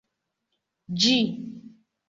Ĝi